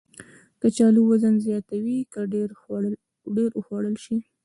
کچالو وزن زیاتوي که ډېر وخوړل شي